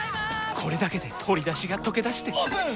これだけで鶏だしがとけだしてオープン！